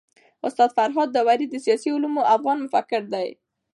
استاد فرهاد داوري د سياسي علومو افغان مفکر دی.